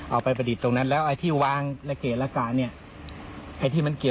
เอาไปประดิษฐ์ตรงนั้นแล้วไอ้ที่วางและเกะละกะนี่